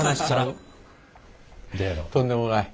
とんでもない。